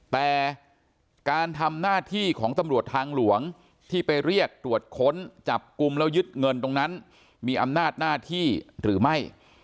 แต่การทำหน้าที่ของตำรวจทางหลวงที่ไปเรียกตรวจค้นจับกลุ่มแล้วยึดเงินตรงนั้นมีอำนาจหน้าที่หรือไม่